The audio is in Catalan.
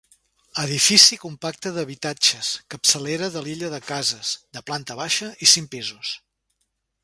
Edifici compacte d'habitatges, capçalera de l'illa de cases, de planta baixa i cinc pisos.